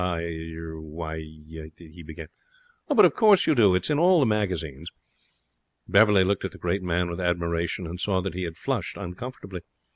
'I er why ' he began. 'Oh, but of course you do,' she went on, sweetly. 'It's in all the magazines.' Beverley looked at the great man with admiration, and saw that he had flushed uncomfortably.